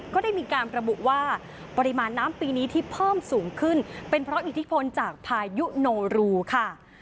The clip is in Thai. ก็ได้มีการระบุว่าปริมาณน้ำปีนี้ที่เพิ่มสูงขึ้นเป็นเพราะอิทธิพลจากพายุโนรูค่ะ